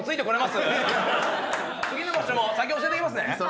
次の場所も先教えときますね。